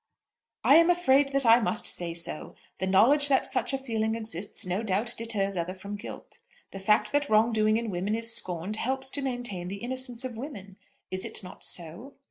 "I am afraid that I must say so. The knowledge that such a feeling exists no doubt deters others from guilt. The fact that wrong doing in women is scorned helps to maintain the innocence of women. Is it not so?"